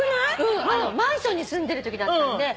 マンションに住んでるときだったんで。